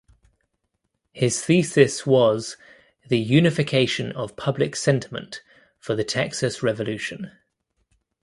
His thesis was "The Unification of Public Sentiment for the Texas Revolution".